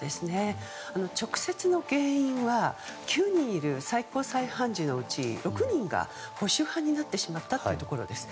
直接の原因は９人いる最高裁判事のうち６人が保守派になってしまったというところです。